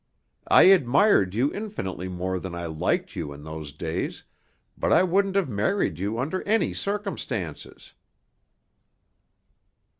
I admired you infinitely more than I liked you in those days, but I wouldn't have married you under any circumstances."